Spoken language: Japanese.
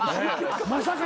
まさかの。